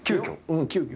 うん急遽。